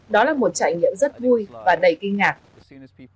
đó là một trải nghiệm rất vui và đầy kinh ngạc